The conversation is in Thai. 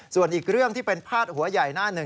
ส่วนอีกเรื่องที่เป็นพาดหัวใหญ่หน้าหนึ่ง